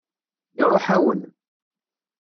Iṛuḥ-awen.